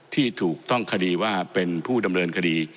ที่ถูกต้องคดีว่าเป็นผู้ดำเนินคดี